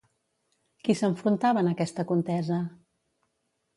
Qui s'enfrontava en aquesta contesa?